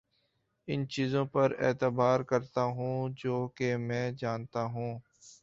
ان چیزوں پر اعتبار کرتا ہوں جن کو میں جانتا ہوں